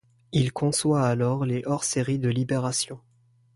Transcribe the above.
Il conçoit alors les hors-série de Libération.